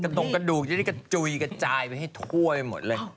จะโต้งกระดูกกระจูยกระจายถ้วยหมดเล่ะ